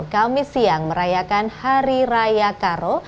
kami siang merayakan hari raya karo